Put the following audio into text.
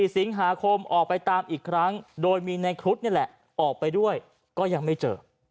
๔สิงหาคมออกไปตามอีกครั้งโดยมีในครุฑนี่แหละออกไปด้วยก็ยังไม่เจอ